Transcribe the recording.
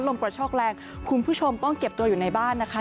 กระโชคแรงคุณผู้ชมต้องเก็บตัวอยู่ในบ้านนะคะ